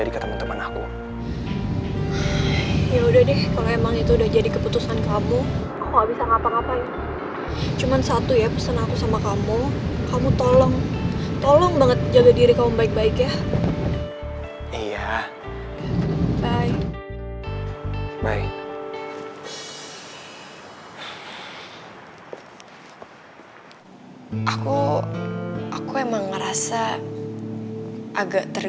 kamu batalin ya pertarungan itu